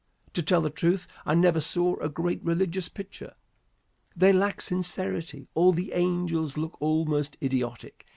To tell the truth, I never saw a great religious picture. They lack sincerity. All the angels look almost idiotic.